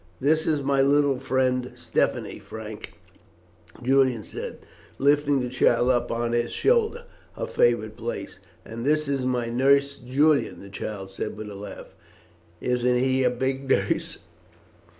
"This is my little friend Stephanie, Frank," Julian said, lifting the child up on his shoulder, her favourite place. "And this is my Nurse Julian," the child said with a laugh. "Isn't he a big nurse?"